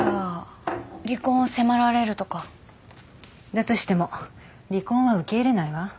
だとしても離婚は受け入れないわ。